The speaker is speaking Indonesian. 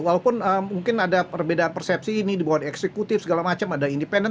walaupun mungkin ada perbedaan persepsi ini di bawah di eksekutif segala macam ada independen